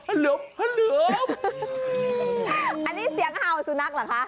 อันนี้เสียงเห่าสุนัขหรอคะ